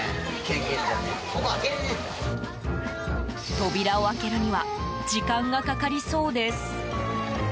扉を開けるには時間がかかりそうです。